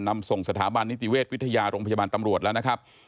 นำส่งสถาบันนิติเวชวิทยาโรงพยาบาลตำรวจแล้วนะครับ